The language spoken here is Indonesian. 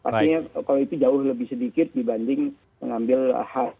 pastinya kalau itu jauh lebih sedikit dibanding mengambil hard disk